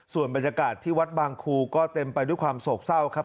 ส่วนบรรยากาศที่วัดบางครูก็เต็มไปด้วยความโศกเศร้าครับ